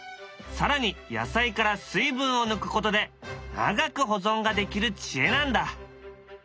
更に野菜から水分を抜くことで長く保存ができる知恵なんだ。